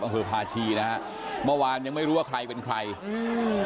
อำเภอพาชีนะฮะเมื่อวานยังไม่รู้ว่าใครเป็นใครอืม